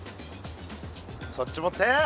そっち持って！